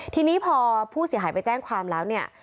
ทีนี้พอผู้เสียหายไปแจ้งความแล้วเนี่ย